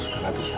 sudah enak bisa